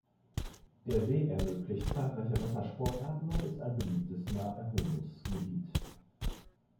Der See ermöglicht zahlreiche Wassersportarten und ist ein beliebtes Naherholungsgebiet.